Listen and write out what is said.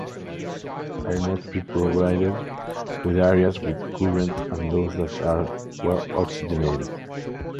It must be provided with areas with currents and those that are well oxygenated.